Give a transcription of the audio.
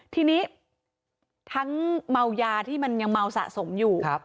ทีนี้ทั้งเมายาที่มันยังเมาสะสมอยู่